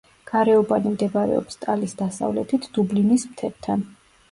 გარეუბანი მდებარეობს ტალის დასავლეთით, დუბლინის მთებთან.